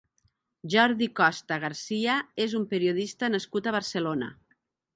Jordi Costa Garcia és un periodista nascut a Barcelona.